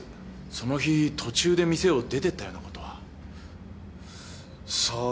その日途中で店を出てったようなことは？さあ。